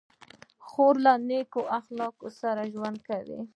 خور له نیک اخلاقو سره ژوند کوي.